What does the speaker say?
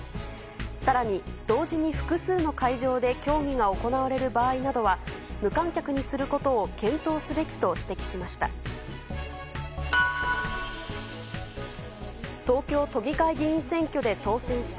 更に同時に複数の会場で競技が行われる場合などは無観客にすることを検討すべきと指摘しました。